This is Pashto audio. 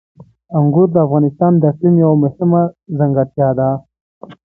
انګور د افغانستان د اقلیم یوه مهمه ځانګړتیا ده.